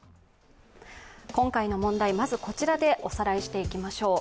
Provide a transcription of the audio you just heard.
今回の問題、まずこちらでおさらいしていきましょう。